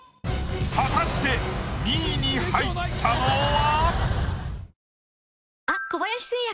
果たして２位に入ったのは？